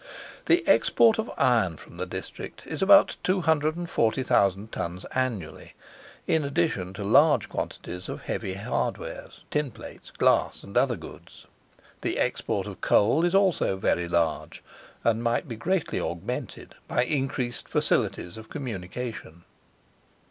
The export of iron from the district is about 240,000 tons annually, in addition to large quantities of heavy hardwares, tin plates, glass, and other goods. The export of coal is also very large, and might be greatly augmented by increased facilities of communication.